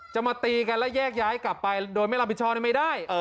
จะมาตีกันแล้วแยกย้ายกลับไปโดยไม่รับผิดชอบไม่ได้